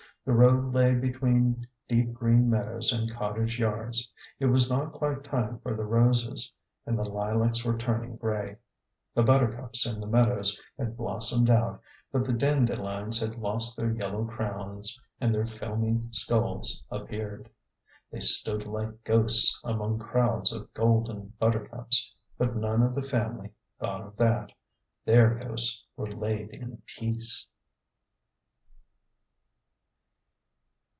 The road lay be tween deep green meadows and cottage yards. It was not quite time for the roses, and the lilacs were turning gray. The buttercups in the meadows had blossomed out, but the dandelions had lost their yellow crowns, and their filmy skulls appeared. They stood like ghosts among crowds of golden buttercups ; but none of the family thought of that ; their ghosts were laid in peace.